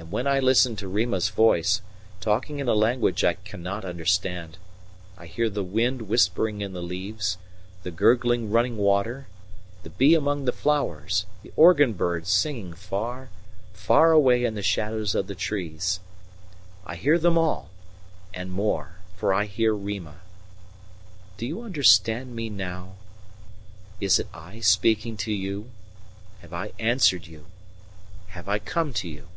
And when I listen to Rima's voice, talking in a language I cannot understand, I hear the wind whispering in the leaves, the gurgling running water, the bee among the flowers, the organ bird singing far, far away in the shadows of the trees. I hear them all, and more, for I hear Rima. Do you understand me now? Is it I speaking to you have I answered you have I come to you?"